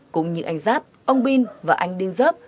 cũng như anh giáp ông bin và anh đinh giáp